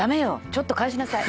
ちょっと返しなさい！